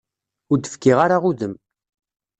Ur d-fkiɣ ara udem.